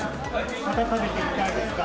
また食べてみたいですか？